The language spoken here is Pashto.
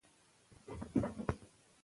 د خپلو رازونو ساتنه وکړئ.